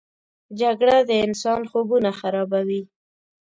جګړه د انسان خوبونه خرابوي